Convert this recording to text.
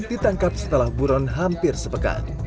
ditangkap setelah buron hampir sepekan